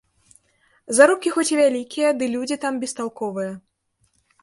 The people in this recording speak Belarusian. Заробкі хоць і вялікія, ды людзі там бесталковыя.